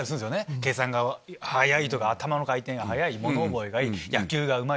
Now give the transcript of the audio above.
計算が速いとか頭の回転が速い物覚えがいい野球がうまい。